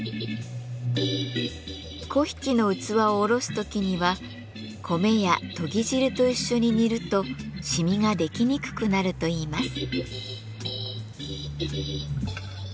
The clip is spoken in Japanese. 粉引の器をおろす時には米やとぎ汁と一緒に煮ると染みが出来にくくなるといいます。